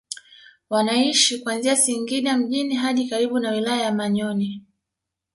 Wanaishi kuanzia Singida mjini hadi karibu na wilaya ya Manyoni